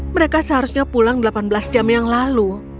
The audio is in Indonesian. mereka seharusnya pulang delapan belas jam yang lalu